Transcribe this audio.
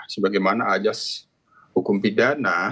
sebagaimana ajas hukum pidana